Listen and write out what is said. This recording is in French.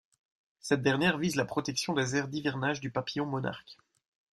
Cette dernière vise la protection des aires d'hivernage du papillon monarque.